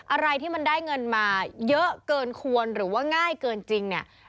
อะไรที่มันได้เงินมาเยอะเกินควรหรือว่าง่ายเกินจริงเนี่ย